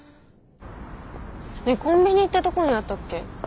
ねえコンビニってどこにあったっけ？